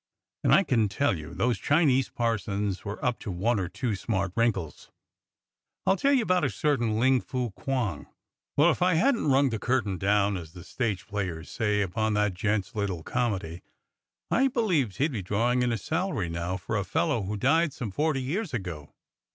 And I can tell you those Chinese parsons were up to one or two smart wrinkles. I'll tell you about a certain Ling Fu Quong. Well, if I hadn't rung the curtain down, as the stage players say, upon that gent's httle comedy, I believes he'd be drawin' in a salary now for a fellow what died some forty years ago.